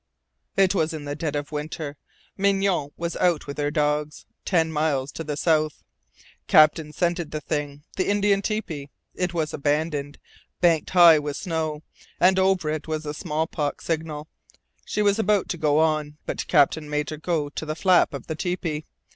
"It was in the dead of winter. Mignonne was out with her dogs, ten miles to the south. Captain scented the thing the Indian tepee. It was abandoned banked high with snow and over it was the smallpox signal. She was about to go on, but Captain made her go to the flap of the tepee.